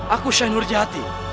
aku shainur jati